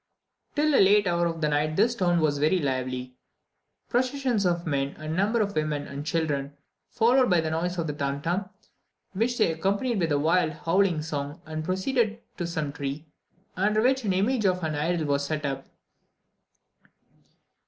Till a late hour of the night this town was very lively: processions of men and a number of women and children followed the noise of the tam tam, which they accompanied with a wild, howling song, and proceeded to some tree, under which an image of an idol was set up.